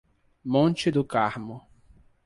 Monte do Carmo